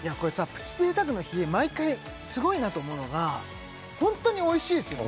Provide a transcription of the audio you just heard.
プチ贅沢の日毎回スゴいなと思うのがホントに美味しいですよね